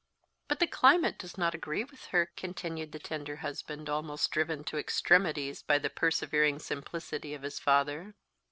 "But the climate does not agree with her," continued the tender husband, almost driven to extremities by the persevering simplicity of his father.